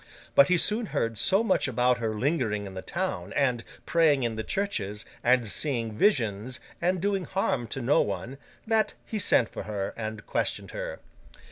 But, he soon heard so much about her lingering in the town, and praying in the churches, and seeing visions, and doing harm to no one, that he sent for her, and questioned her.